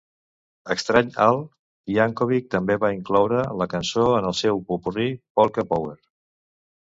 "Extrany Al" Yankovic també va incloure la cançó en el seu popurri "Polka Power!"